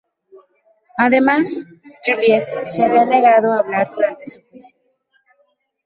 Además, Juliette se había negado a hablar durante su juicio.